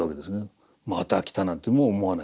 また来たなんていうのも思わないです。